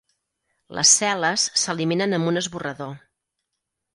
Les cel·les s'eliminen amb un esborrador.